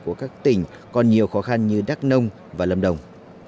của các tỉnh còn nhiều khó khăn như đắk nông và lâm đồng